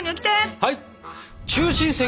はい！